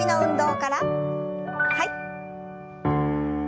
はい。